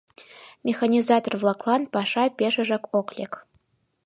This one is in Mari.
Механизатор-влаклан паша пешыжак ок лек.